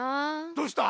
どうした？